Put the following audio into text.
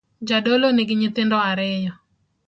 Jadolo nigi nyithindo ariyo